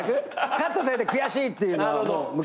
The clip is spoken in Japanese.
カットされて悔しいっていうのは昔ですね。